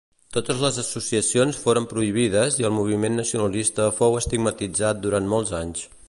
Totes les associacions foren prohibides i el moviment nacionalista fou estigmatitzat durant molts anys.